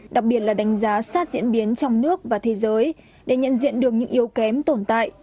đặc biệt là đánh giá sát diễn biến trong nước và thế giới để nhận diện được những yếu kém tồn tại